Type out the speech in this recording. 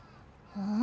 うん？